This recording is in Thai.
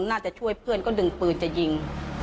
น่าจะช่วยเพื่อนก็ดึงปืนจะยิง